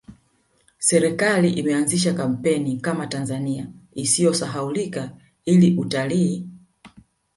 serikali imeanzisha kampeni Kama tanzania isiyo sahaulika ili utalii